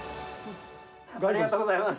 ありがとうございます。